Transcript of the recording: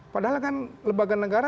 padahal kan lebakan negara